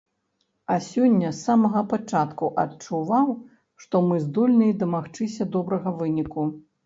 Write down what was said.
А сёння з самага пачатку адчуваў, што мы здольныя дамагчыся добрага выніку.